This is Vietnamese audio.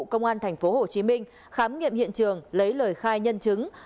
công an tp hcm khám nghiệm hiện trường lấy lời khai nhân chứng